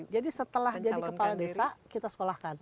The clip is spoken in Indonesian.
jadi setelah jadi kepala desa kita sekolahkan